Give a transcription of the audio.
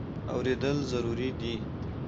اورېدل ضروري دی.